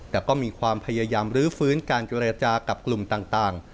แต่ก็มีความพยายามรื้อฟื้นการเจรจากับกลุ่มต่าง